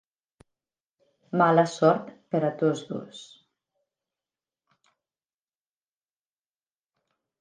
Mala sort per a tots dos.